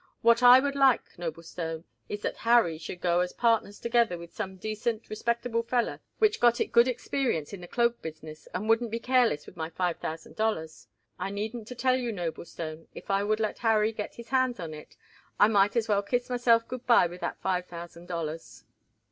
"What I would like, Noblestone, is that Harry should go as partners together with some decent, respectable feller which got it good experience in the cloak business and wouldn't be careless with my five thousand dollars. I needn't to tell you, Noblestone, if I would let Harry get his hands on it, I might as well kiss myself good by with that five thousand dollars."